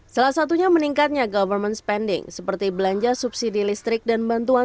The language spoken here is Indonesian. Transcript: salah satunya meningkatnya government spending seperti belanja subsidi lainnya